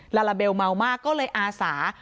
ลาลาเบลเมามากก็เลยอาสา